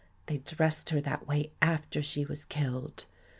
They dressed her that way after she was killed.